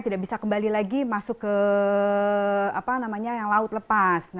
tidak bisa kembali lagi masuk ke laut lepas